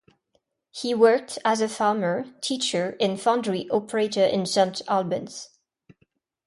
He worked as a farmer, teacher, and foundry operator in Saint Albans.